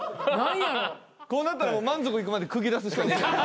こうなったら満足いくまでクギ出すしかねえ。